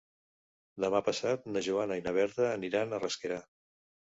Demà passat na Joana i na Berta aniran a Rasquera.